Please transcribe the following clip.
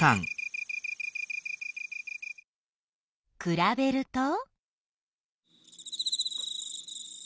くらべると？